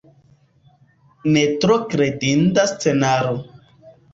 Ne tro kredinda scenaro.